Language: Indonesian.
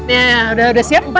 ya udah siap empat